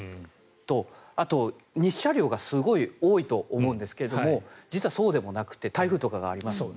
あと日射量がすごい多いと思うんですが実はそうでもなくて台風とかがありますので。